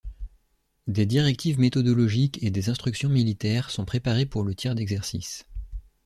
Des directives méthodologiques et des instructions militaires sont préparées pour le tir d'exercice.